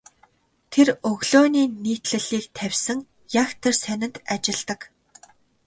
Тэр өглөөний нийтлэлийг тавьсан яг тэр сонинд ажилладаг.